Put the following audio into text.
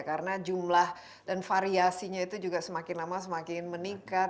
karena jumlah dan variasinya itu juga semakin lama semakin meningkat